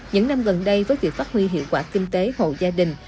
những năm gần đây với việc phát huy hiệu quả kinh tế hộ gia đình